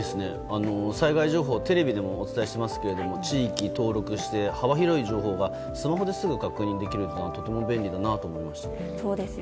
災害情報、テレビでもお伝えしていますが地域を登録して、幅広い情報がスマホですぐ確認できるのは便利ですよね。